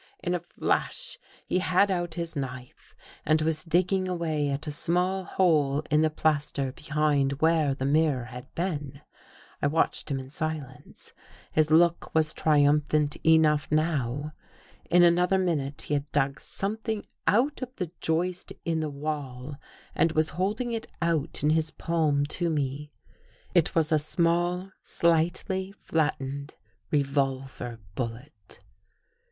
In a flash he had out his knife and was digging away at a small hole in the plaster behind where the mirror had been. I watched him in silence. His look was trium phant enough now. In another minute he had dug 225 THE GHOST GIRL something out of the joist in the wall and was hold ing it out in his palm to me. It was a small, slightly flattened revolver bullet.